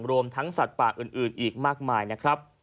รวมทั้งสัตว์ป่าอื่นอีกมากมายนะครับ